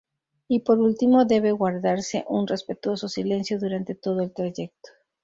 Y por último debe guardarse un respetuoso silencio durante todo el trayecto.